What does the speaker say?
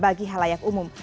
bagi hal layak umum